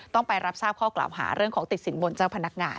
ต้องไปรับทราบข้อกล่าวหาเรื่องของติดสินบนเจ้าพนักงาน